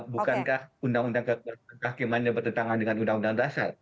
bukankah undang undang kehakimannya bertentangan dengan undang undang dasar